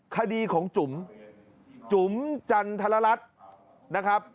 คดีของจุ๋มจุ๋มจันทรรัฐนะครับ